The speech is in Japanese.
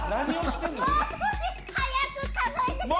もう少し早く数えてください。